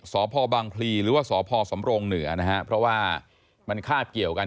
สพบังพลีหรือว่าสพสำรงเหนือนะฮะเพราะว่ามันคาบเกี่ยวกัน